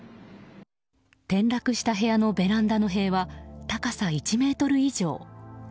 転落した部屋のベランダの塀は高さ１ｍ以上。